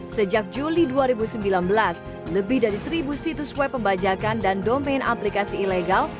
sejak juli dua ribu sembilan belas lebih dari seribu situs web pembajakan dan domain aplikasi ilegal